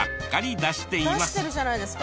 出してるじゃないですか。